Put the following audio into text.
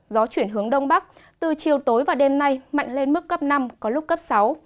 gió chuyển hướng đông bắc từ chiều tối và đêm nay mạnh lên mức cấp năm có lúc cấp sáu